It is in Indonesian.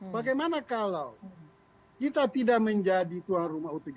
bagaimana kalau kita tidak menjadi tuan rumah u tujuh belas